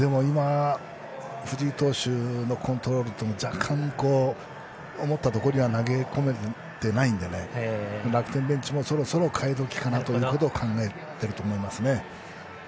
藤井投手のコントロールは若干、思ったところに投げ込めていないんで楽天ベンチもそろそろ代えどきを考えてると思います。